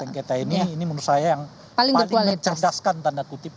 paling mencerdaskan tanda kutip ya publiknya